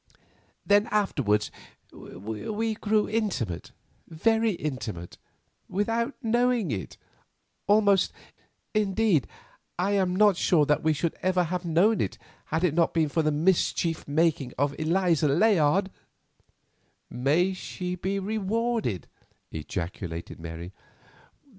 "Then afterwards we grew intimate, very intimate, without knowing it, almost—indeed, I am not sure that we should ever have known it had it not been for the mischief making of Eliza Layard——" "May she be rewarded," ejaculated Mary.